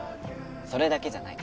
それだけじゃない。